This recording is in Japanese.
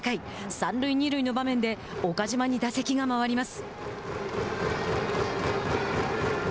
三塁二塁の場面で岡島に打席が回ります。